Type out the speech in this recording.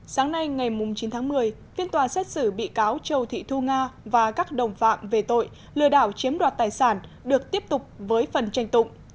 sáng nay ngày chín tháng một mươi phiên tòa xét xử bị cáo châu thị thu nga và các đồng phạm về tội lừa đảo chiếm đoạt tài sản được tiếp tục với phần tranh tụng